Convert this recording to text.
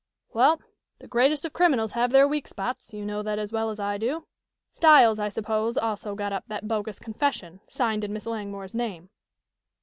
"Well, the greatest of criminals have their weak spots, you know that as well as I do. Styles, I suppose, also got up that bogus confession, signed in Miss Langmore's name."